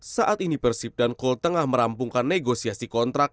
saat ini persib dan col tengah merampungkan negosiasi kontrak